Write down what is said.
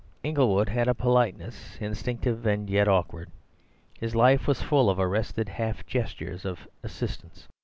Inglewood had a politeness instinctive and yet awkward. His life was full of arrested half gestures of assistance.